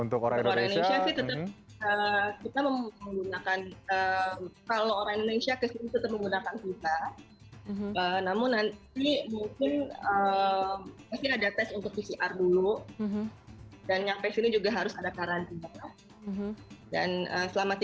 untuk orang indonesia sih tetap kita menggunakan kalau orang indonesia ke sini tetap menggunakan kita